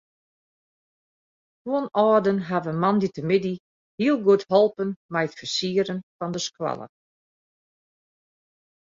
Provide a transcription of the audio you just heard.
Guon âlden hawwe moandeitemiddei hiel goed holpen mei it fersieren fan de skoalle.